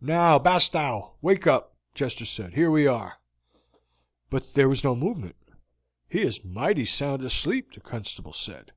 "Now, Bastow, wake up," Chester said. "Here we are." But there was no movement! "He is mighty sound asleep," the constable said.